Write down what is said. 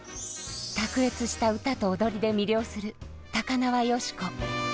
卓越した歌と踊りで魅了する高輪芳子。